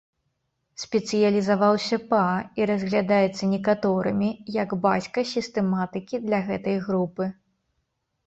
Спецыялізаваўся па і разглядаецца некаторымі як бацька сістэматыкі для гэтай групы.